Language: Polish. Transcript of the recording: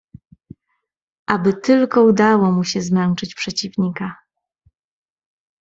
"Aby tylko udało mu się zmęczyć przeciwnika."